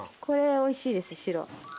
これおいしいです白。